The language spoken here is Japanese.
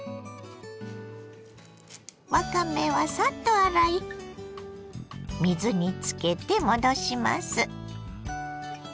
わかめはサッと洗い水につけて戻します。